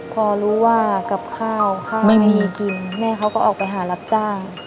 พอรู้ว่ากับข้าวข้าวไม่มีกินแม่เขาก็ออกไปหารับจ้าง